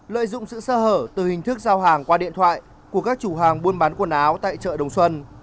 lợi dụng sự sơ hở từ hình thức giao hàng qua điện thoại của các chủ hàng buôn bán quần áo tại chợ đồng xuân